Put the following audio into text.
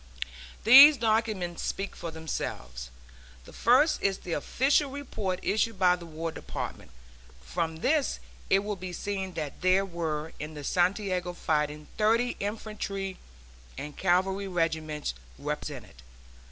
These documents speak for themselves. The first is the official report issued by the War Department. From this it will be seen that there were in the Santiago fighting thirty infantry and cavalry regiments represented.